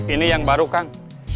ini yang baru kang